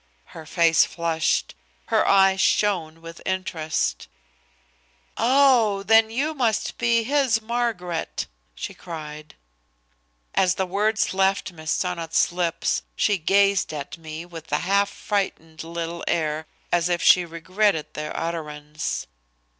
Her face flushed. Her eyes shone with interest. "Oh! then you must be his Margaret?" she cried. As the words left Miss Sonnot's lips she gazed at me with a half frightened little air as if she regretted their utterance.